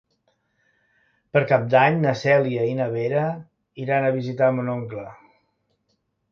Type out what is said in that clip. Per Cap d'Any na Cèlia i na Vera iran a visitar mon oncle.